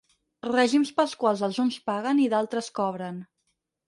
Règims pels quals els uns paguen i d'altres cobren.